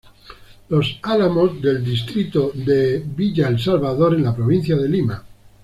Los Álamos del Distrito de Villa El Salvador en la Provincia de Lima.